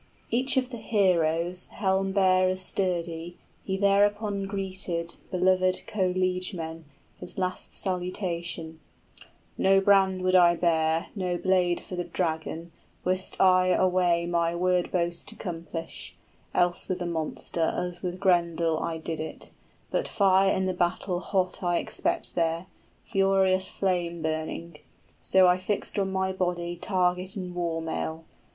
Each of the heroes, 55 Helm bearers sturdy, he thereupon greeted {His last salutations.} Belovèd co liegemen his last salutation: "No brand would I bear, no blade for the dragon, Wist I a way my word boast to 'complish Else with the monster, as with Grendel I did it; 60 But fire in the battle hot I expect there, Furious flame burning: so I fixed on my body Target and war mail.